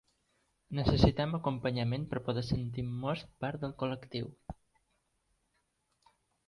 Necessitem acompanyament per poder sentir-nos part del col·lectiu.